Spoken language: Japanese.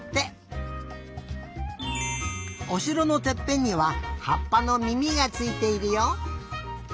おしろのてっぺんにははっぱのみみがついているよ。